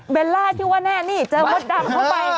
ล่าที่ว่าแน่นี่เจอมดดำเข้าไป